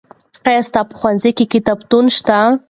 آیا ستا په ښوونځي کې کتابتون شته؟